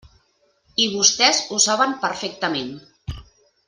I vostès ho saben perfectament.